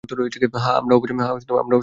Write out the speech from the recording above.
হ্যাঁ, আমরা অবশ্যই করব!